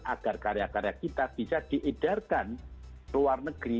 agar karya karya kita bisa diedarkan ke luar negeri